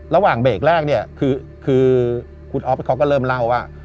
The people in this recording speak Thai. ระหว่างเบรกแรกเนี่ยคือคุณอ๊อฟเขาก็เริ่มเล่าว่า